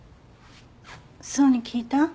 想に聞いた？